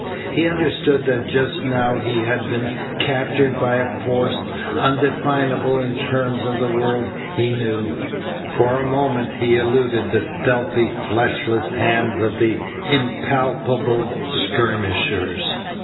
He understood that just now he had been captured by a force undefinable in terms of the world he knew. For a moment he eluded the stealthy fleshless hands of its impalpable skirmishers.